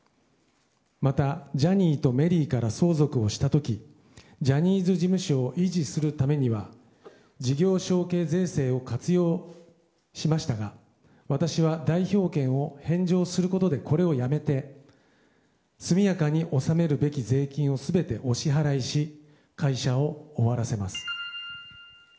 また、ジャニーとメリーから相続をした時ジャニーズ事務所を維持するためには事業承継税制を活用しましたが私は代表権を返上することで、これをやめて速やかに納めるべき税金を全てお支払いし会社を終わらせます。